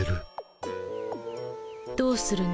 どうするの？